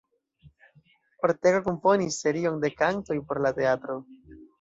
Ortega komponis serion de kantoj por la teatro.